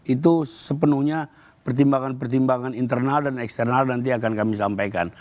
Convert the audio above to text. itu sepenuhnya pertimbangan pertimbangan internal dan eksternal nanti akan kami sampaikan